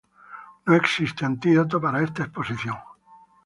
No existe antídoto para esta exposición.